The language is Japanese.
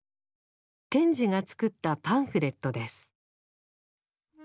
賢治が作ったパンフレットです。